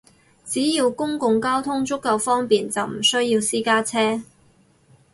只要公共交通足夠方便，就唔需要私家車